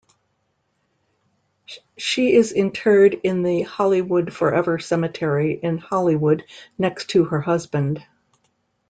She is interred in the Hollywood Forever Cemetery in Hollywood next to her husband.